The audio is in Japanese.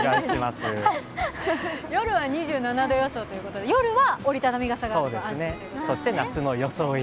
夜は２７度予想ということで夜は折りたたみ傘があれば安心ということですね。